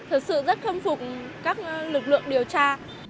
thật sự rất khâm phục các lực lượng điều tra